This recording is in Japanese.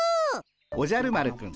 おじゃる丸くん